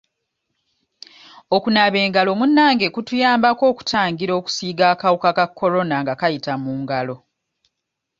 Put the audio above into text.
Okunaaba engalo munnange kutuyambako okutangira okusiiga akawuka ka Corona nga kayita mu ngalo.